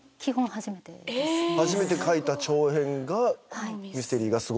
初めて書いた長編が『ミステリーがすごい！』大賞。